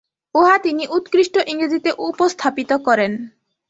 উহা তিনি উৎকৃষ্ট ইংরেজীতে উপস্থাপিত করেন।